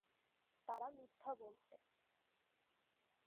তারা মিথ্যা বলছে।